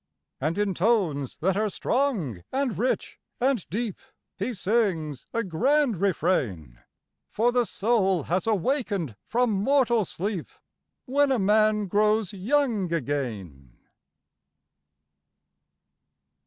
And in tones that are strong and rich and deep He sings a grand refrain, For the soul has awakened from mortal sleep, When a man grows young again.